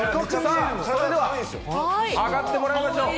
それでは上がってもらいましょう。